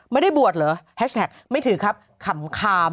ไม่ได้บวชเหรอไม่ถือครับขำ